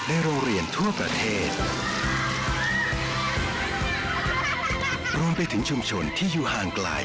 อย่าเพิ่งเล่าเบรกหน้าคุณผู้ชมค่อยมาฟังค่ะ